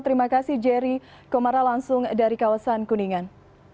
terima kasih jerry komara langsung dari kawasan kuningan